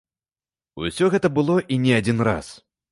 Усё гэта было і не адзін раз.